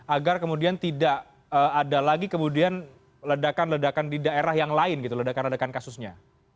agar kemudian tidak ada lagi kemudian ledakan ledakan di daerah yang lain gitu ledakan ledakan kasusnya